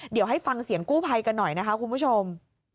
เดี๋ยวให้ฟังเสียงกู้ภัยกันหน่อยนะคะคุณผู้ชม